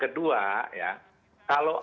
kedua ya kalau